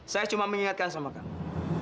saya cuma mengingatkan sama kami